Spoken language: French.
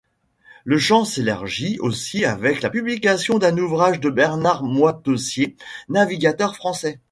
Le champ s'élargit aussi avec la publication d'un ouvrage de Bernard Moitessier, navigateur français.